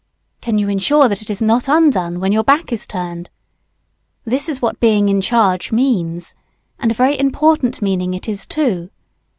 Can you insure that it is not undone when your back is turned? This is what being "in charge" means. And a very important meaning it is, too.